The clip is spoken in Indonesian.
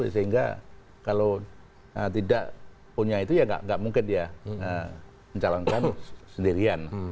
sehingga kalau tidak punya itu ya nggak mungkin dia mencalonkan sendirian